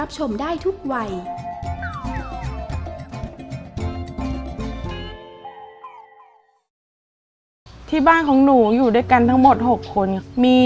ที่บ้านของหนูอยู่ด้วยกันทั้งหมด๖คน